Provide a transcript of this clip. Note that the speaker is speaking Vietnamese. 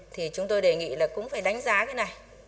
thì chúng tôi đề nghị là cũng phải đánh giá cái này